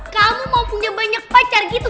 kamu mau punya banyak pacar gitu